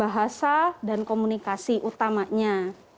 bahasa dan komunikasi utamanya